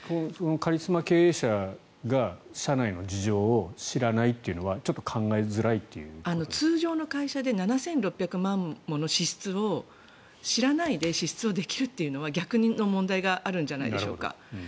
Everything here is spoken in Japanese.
カリスマ経営者が社内の事情を知らないというのは通常の会社で７６００万もの支出を知らないで支出できるというのは逆の問題があるんじゃないでしょうか。